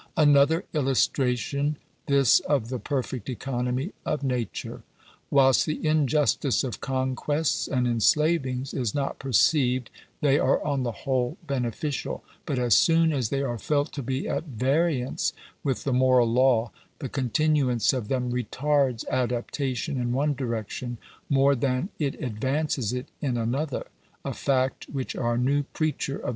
Another illustration this of the perfect economy of Nature. Whilst the injustice of conquests and enslavings is .} not perceived, they are on the whole beneficial ; but as soon as fj they are felt to be at variance with the moral law, the con tj tinuance of them retards adaptation in one direction, more than • it advances it in another : a fact which our new preacher of